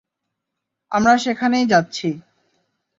আমরা সেখানেই যাচ্ছি।